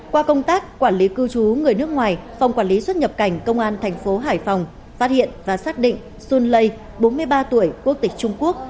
qua công tác quản lý cư trú người nước ngoài phòng quản lý xuất nhập cảnh công an thành phố hải phòng phát hiện và xác định xuân lây bốn mươi ba tuổi quốc tịch trung quốc